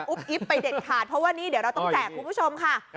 อิ๊บไปเด็ดขาดเพราะว่านี่เดี๋ยวเราต้องแจกคุณผู้ชมค่ะ